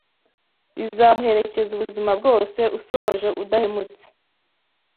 bizamuherekeze ubuzima bwose usoje udahemutse